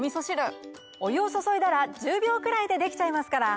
お湯を注いだら１０秒くらいでできちゃいますから。